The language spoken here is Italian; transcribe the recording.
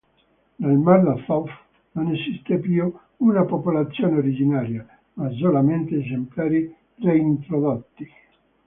Nel mar d'Azov non esiste più una popolazione originaria, ma solamente esemplari reintrodotti.